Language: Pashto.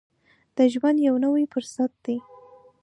د ژوند یو نوی فرصت دی.